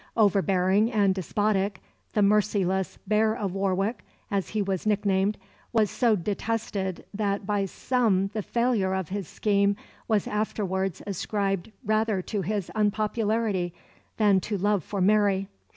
Overbearing and despotic, the merciless "bear of Warwick," as he was nicknamed, was so detested that by some the failure of his scheme was afterwards ascribed rather to his unpopularity than to love for Mary.